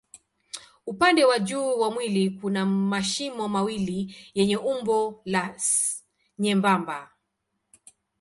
Upande wa juu wa mwili kuna mashimo mawili yenye umbo la S nyembamba.